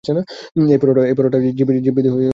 এটি পারেটো-জিফ বিধি নামেও পরিচিত।